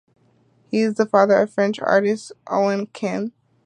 He is the father of French artist Oan Kim.